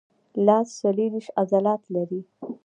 لاس څلورویشت عضلات لري.